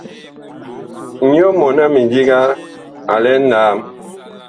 Nyɔ mɔɔn a mindiga a lɛ nlaam.